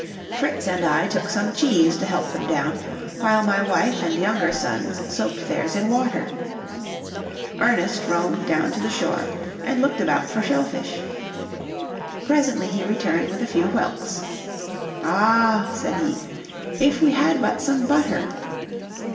Fritz and I took some cheese to help them down, while my wife and younger sons soaked theirs in water. Ernest roamed down to the shore, and looked about for shell fish. Presently he returned with a few whelks. "Ah," said he, "if we had but some butter."